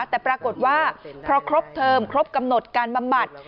แต่ปรากฏว่าพอครบเทอมครบกำหนดการบำบัด